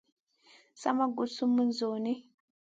Sa ma guɗ sumun zawni.